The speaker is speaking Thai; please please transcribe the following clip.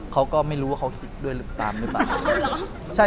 เขาก็ไม่รู้ว่าเขาคิดด้วยตามหรือเปล่า